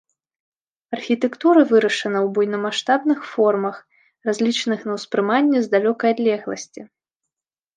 Архітэктура вырашана ў буйнамаштабных формах, разлічаных на ўспрыманне з далёкай адлегласці.